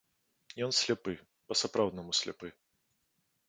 Ён сляпы, па-сапраўднаму сляпы.